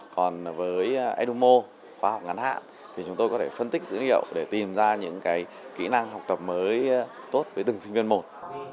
còn với edumo khoa học ngắn hạn thì chúng tôi có thể phân tích dữ liệu để tìm ra những cái kỹ năng học tập mới tốt với từng sinh viên một